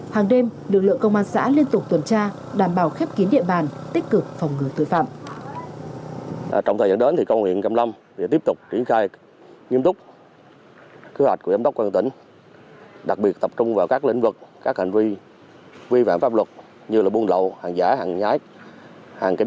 hàng đêm lực lượng công an xã liên tục tuần tra đảm bảo khép kín địa bàn tích cực phòng ngừa tội phạm